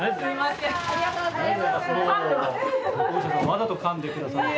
わざとかんでくださる。